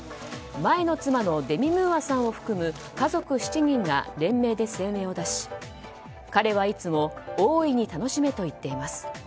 前の妻のデミ・ムーアさんを含む家族７人が連名で声明を出し彼はいつも、大いに楽しめと言っています。